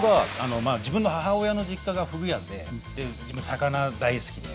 自分の母親の実家がふぐ屋で自分魚大好きで。